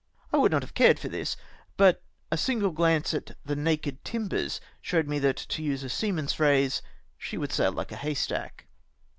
I would not have cared for this, but a single glance at the naked timbers showed me that, to use a seaman's phrase, " she would sail hke a haystack."